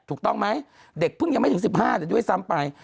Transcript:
ถูกต้องไหมเด็กเพิ่งยังไม่ถึง๑๕ด้วยซ้ำไป